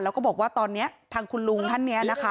แล้วก็บอกว่าตอนนี้ทางคุณลุงท่านนี้นะคะ